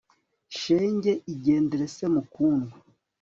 shenge igendere se mukundwa